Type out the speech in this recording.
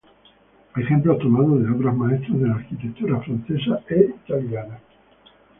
Ejemplos tomados de obras maestras de la arquitectura francesa e italiana.